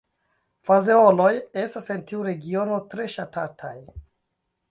Fazeoloj estas en tiu regiono tre ŝatataj.